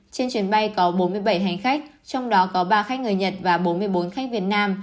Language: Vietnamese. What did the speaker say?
trên chuyến bay có bốn mươi bảy hành khách trong đó có ba khách người nhật và bốn mươi bốn khách việt nam